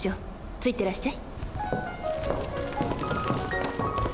ついてらっしゃい。